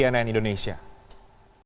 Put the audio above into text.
iwan hermawan koresponden cnn indonesia